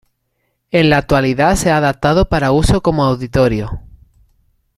En la actualidad se ha adaptado para uso como auditorio.